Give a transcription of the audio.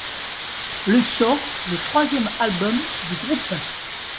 Le sort le troisième album du groupe, '.